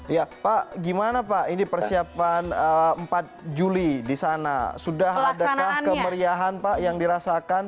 ya pak gimana pak ini persiapan empat juli di sana sudah adakah kemeriahan pak yang dirasakan